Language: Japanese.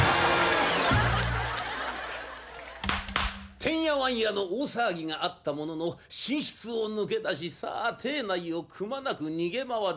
てんやわんやの大騒ぎがあったものの寝室を抜け出しさあ邸内をくまなく逃げ回る